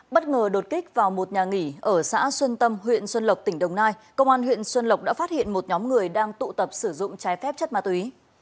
bất ngờ đột kích vào một nhà nghỉ ở xã xuân tâm huyện xuân lộc tỉnh đồng nai công an huyện xuân lộc đã phát hiện một nhóm người đang tụ tập sử dụng trái phép chất ma túy